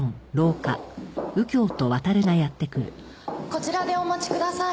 こちらでお待ちください。